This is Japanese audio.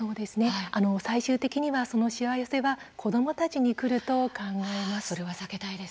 最終的にはそのしわ寄せは子どもたちにくると考えます。